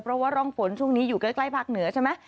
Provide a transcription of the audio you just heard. เพราะว่าร่องฝนช่วงนี้อยู่ใกล้ภาคเหนือใช่ไหม